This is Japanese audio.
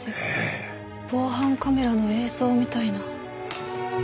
防犯カメラの映像みたいな。